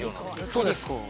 そうです。